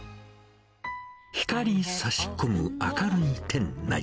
光りさし込む明るい店内。